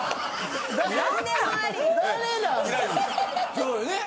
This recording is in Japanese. そうよね。